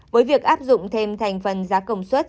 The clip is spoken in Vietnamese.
với việc áp dụng thêm thành phần giá công suất